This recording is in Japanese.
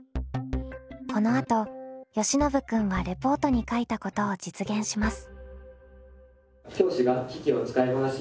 このあとよしのぶ君はレポートに書いたことを実現します。